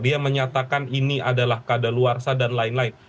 dia menyatakan ini adalah kada luar sa dan lain lain